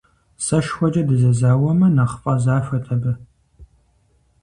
СэшхуэкӀэ дызэзауэмэ, нэхъ фӀэзахуэт абы.